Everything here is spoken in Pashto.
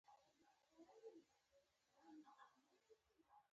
د الله په نامه سره چې ډېر زیات مهربان، بې حده رحم كوونكى دى.